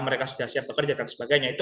mereka sudah siap bekerja dan sebagainya itu